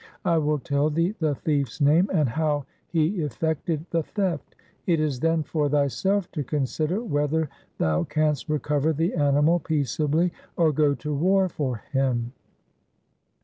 I will tell thee the thief's name and how he effected the theft. It is then for thyself to consider whether thou canst recover the animal peaceably or go to war for him.'